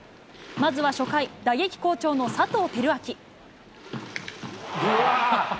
まずは初回、打撃好調の佐藤輝明。